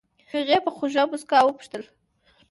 هغې په خوږې موسکا وپوښتل.